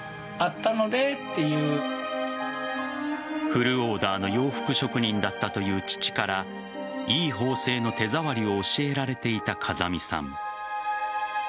フルオーダーの洋服職人だったという父からいい縫製の手触りを教えられていた風見さん。